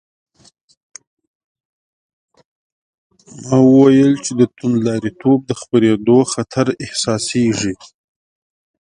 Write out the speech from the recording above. ما وویل چې د توندلاریتوب د خپرېدو خطر احساسېږي.